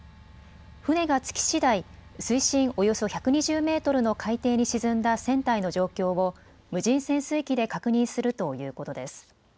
船が着きしだい、水深およそ１２０メートルの海底に沈んだ船体の状況を、無人潜水機で確認するということです。